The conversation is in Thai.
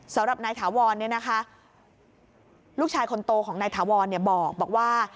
สำหรับนายถาวรลูกชายคนโตของนายถาวรบอกว่า